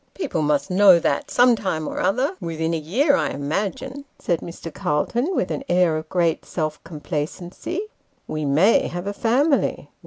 "People must know that, some time or other within a year, I imagine," said Mr. Calton, with an air of great self complacency. " We may have a family."